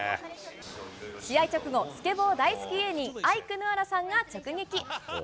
試合直後、スケボー大好き芸人、アイクぬわらさんが直撃。